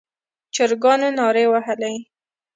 چرګانو نارې وهلې.